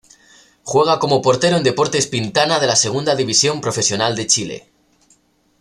Juega como portero en Deportes Pintana de la Segunda División Profesional de Chile.